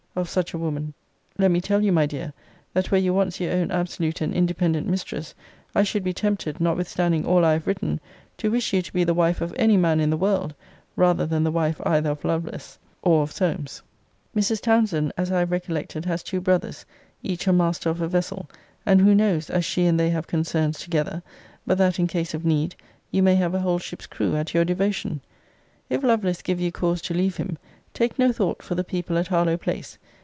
] of such a woman! let me tell you, my dear, that were you once your own absolute and independent mistress, I should be tempted, notwithstanding all I have written, to wish you to be the wife of any man in the world, rather than the wife either of Lovelace or of Solmes. Mrs. Townsend, as I have recollected, has two brothers, each a master of a vessel; and who knows, as she and they have concerns together, but that, in case of need, you may have a whole ship's crew at your devotion? If Lovelace give you cause to leave him, take no thought for the people at Harlowe place.